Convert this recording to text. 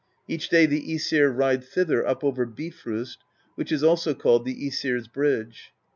Each day the iEsir ride thither up over Bifrost, which is also called the iEsir's Bridge.